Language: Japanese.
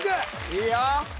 いいよ！